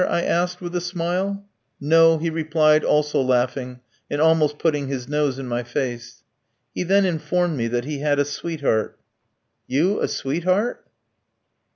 I asked, with a smile. "No," he replied, also laughing, and almost putting his nose in my face. He then informed me that he had a sweetheart. "You a sweetheart?"